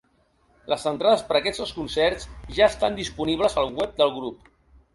Les entrades per aquests dos concerts ja estan disponibles al web del grup.